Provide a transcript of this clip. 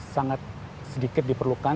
sangat sedikit diperlukan